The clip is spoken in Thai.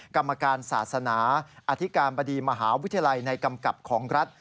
กรรมการศาสนาอธิการบดีมหาวิทยาลัยในกำกับของรัฐ